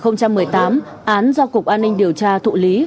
năm hai nghìn một mươi tám án do cục an ninh điều tra thụ lý